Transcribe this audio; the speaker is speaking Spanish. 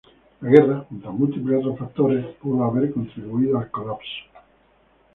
La guerra, junto a múltiples otros factores, pudo haber contribuido al colapso.